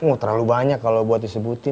oh terlalu banyak kalau buat disebutin